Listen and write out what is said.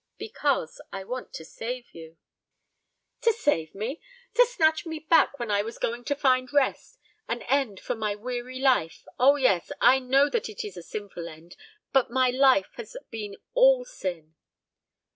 "Because I want to save you." "To save me! To snatch me back when I was going to find rest an end for my weary life! O yes, I know that it is a sinful end; but my life has been all sin."